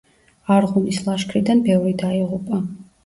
არღუნის ლაშქრიდან ბევრი დაიღუპა.